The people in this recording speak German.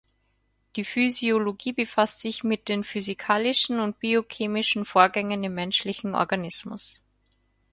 Die Physiologie befasst sich mit den physikalischen und biochemischen Vorgängen im menschlichen Organismus.